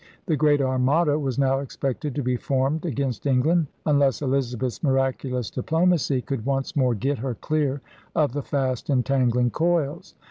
The Great Armada was now expected to be formed against England, imless Elizabeth's miraculous diplomacy could once more get her clear of the fast entangling coils.